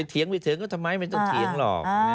เถียงก็ทำไมไม่ต้องเถียงหรอก